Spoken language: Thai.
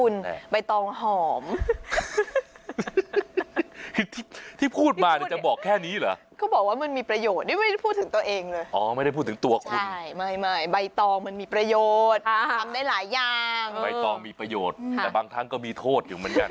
น้ำกะทิเดือดปุด